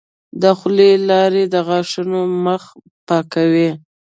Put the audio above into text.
د خولې لاړې د غاښونو مخ پاکوي.